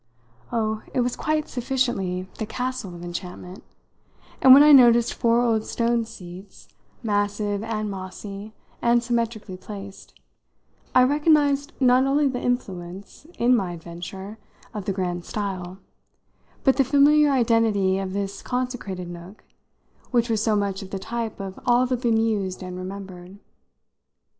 Oh, it was quite sufficiently the castle of enchantment, and when I noticed four old stone seats, massive and mossy and symmetrically placed, I recognised not only the influence, in my adventure, of the grand style, but the familiar identity of this consecrated nook, which was so much of the type of all the bemused and remembered.